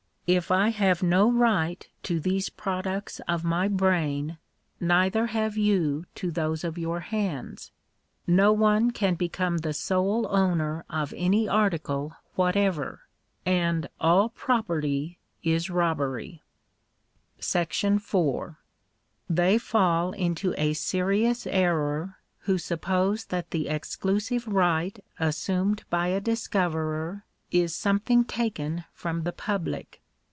If I have no right to Digitized by VjOOQIC 140 THE RIGHT OF PROPERTY IN IDEAS. these products of my brain, neither have you to those of your hands : no one can become the sole owner of any article what ever ; and * all property is robbery/ " §4. They fall into a serious error, who suppose that the exclusive right assumed by a discoverer, is something taken from the public.